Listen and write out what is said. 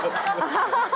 ハハハハ！